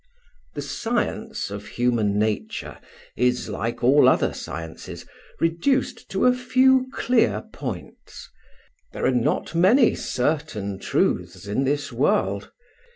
The science of Human Nature is, like all other sciences, reduced to a few clear points: there are not many certain truths in this world.